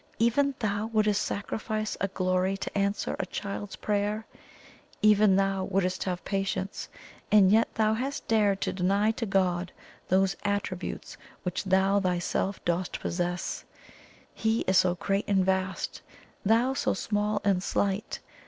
Even THOU wouldst sacrifice a glory to answer a child's prayer even thou wouldst have patience! And yet thou hast dared to deny to God those attributes which thou thyself dost possess He is so great and vast thou so small and slight!